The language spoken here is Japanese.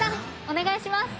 お願いします。